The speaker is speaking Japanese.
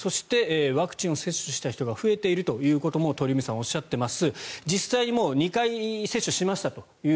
ワクチンを接種した人が増えているということも鳥海さんはおっしゃっています。